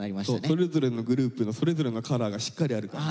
それぞれのグループのそれぞれのカラーがしっかりあるからね。